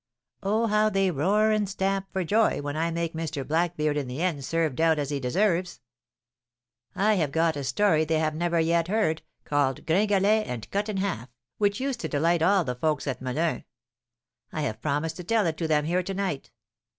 Oh, how they roar and stamp for joy when I make Mr. Blackbeard in the end served out as he deserves. I have got a story they have never yet heard, called 'Gringalet and Cut in Half,' which used to delight all the folks at Melun. I have promised to tell it to them here to night.